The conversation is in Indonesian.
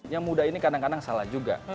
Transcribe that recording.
yang muda ini kadang kadang salah juga